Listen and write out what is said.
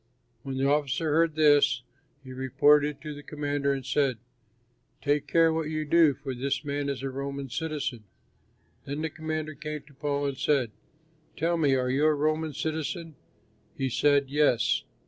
When the officer heard this he reported it to the commander and said: "Take care what you do, for this man is a Roman citizen." Then the commander came to Paul and said, "Tell me, are you a Roman citizen?" He said, "Yes."